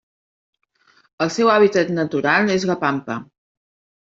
El seu hàbitat natural és la pampa.